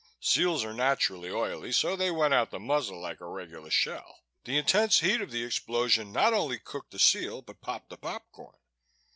Seals are naturally oily so they went out the muzzle like a regular shell. The intense heat of the explosion not only cooked the seal but popped the popcorn.